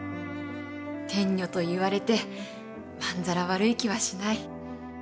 天女と言われてまんざら悪い気はしない。